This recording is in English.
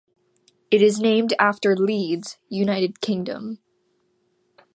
It is named after Leeds, United Kingdom.